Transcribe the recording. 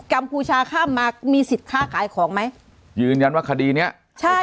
ัมพูชาข้ามมามีสิทธิ์ค่าขายของไหมยืนยันว่าคดีเนี้ยใช่